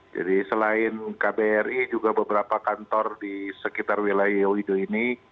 selain kbri juga beberapa kantor di sekitar wilayah wido ini